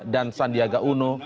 dan sandiaga uno